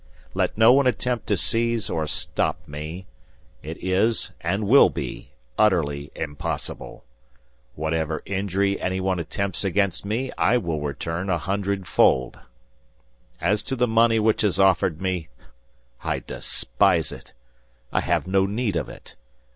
Let no one attempt to seize or stop me. It is, and will be, utterly impossible. Whatever injury anyone attempts against me, I will return a hundredfold. As to the money which is offered me, I despise it! I have no need of it.